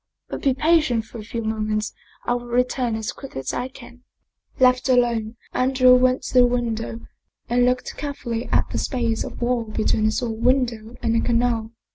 But be patient for a few moments,, I will return as quickly as I can." Left alone, Andrea went to the window and looked care fully at the space of wall between his own window and the canal.